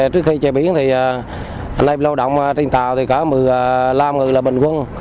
trước khi chạy biển thì anh em lao động trên tàu thì cả một mươi năm người là bình quân